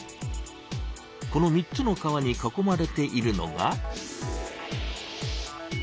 この３つの川に囲まれているのが。